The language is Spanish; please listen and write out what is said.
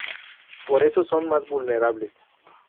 Por eso son más vulnerables.